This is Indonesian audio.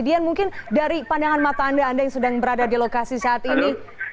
dian mungkin dari pandangan mata anda anda yang sedang berada di lokasi saat ini